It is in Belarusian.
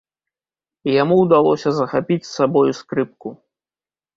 Яму ўдалося захапіць з сабою скрыпку.